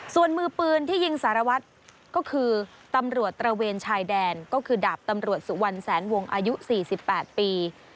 ส่วนมือปืนที่ยิงสารวัตรก็คือตำรวจตระเวนชายแดนก็คือดาบตำรวจสุวรรณแสนวงอายุ๔๘ปี